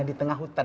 ini di tengah hutan